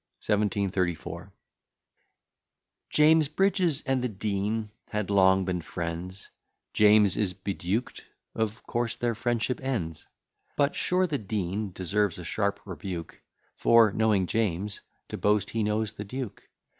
E. B._] THE DEAN AND DUKE 1734 James Brydgesand the Dean had long been friends; James is beduked; of course their friendship ends: But sure the Dean deserves a sharp rebuke, For knowing James, to boast he knows the duke.